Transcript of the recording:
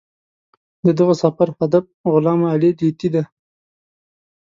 د دغه سفر هدف غلام علي لیتي دی.